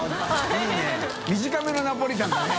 いい短めのナポリタンだね。